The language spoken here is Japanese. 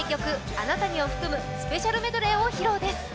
「あなたに」を含むＳＰメドレーを披露です